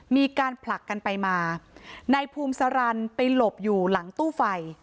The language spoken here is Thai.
มีการผลักกันไปมานายภูมิสารันไปหลบอยู่หลังตู้ไฟ